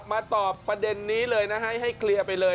มาตอบประเด็นนี้ให้เคลียร์ไปเลย